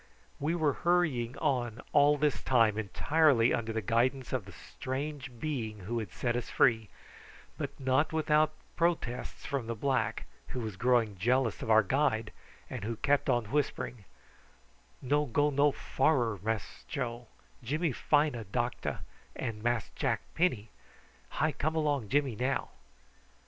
We were hurrying on all this time entirely under the guidance of the strange being who had set us free, but not without protests from the black, who was growing jealous of our guide and who kept on whispering: "No go no farrer, Mass Joe, Jimmy fine a doctor an Mass Jack Penny. Hi come along Jimmy now."